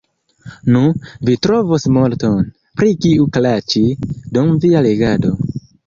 Nu, vi trovos multon, pri kiu klaĉi, dum via legado.